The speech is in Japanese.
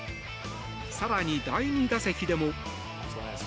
更に第２打席でも。